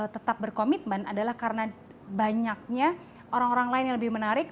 tetap berkomitmen adalah karena banyaknya orang orang lain yang lebih menarik